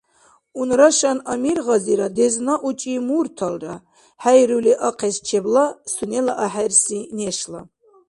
Унрашан Амир Гъазира дезна учӀи мурталра, хӀейрули ахъес чебла сунела ахӀерси нешла.